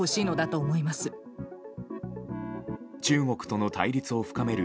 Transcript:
中国との対立を深める